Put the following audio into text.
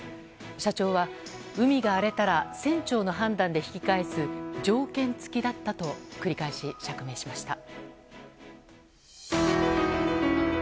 社長は、海が荒れたら船長の判断で引き返す条件付きだったと繰り返し釈明しました。